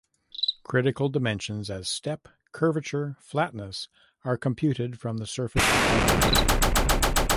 Critical dimensions as step, curvature, flatness are computed from the surface topography.